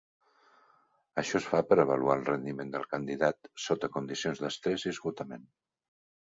Això es fa per avaluar el rendiment del candidat sota condicions d'estrès i esgotament.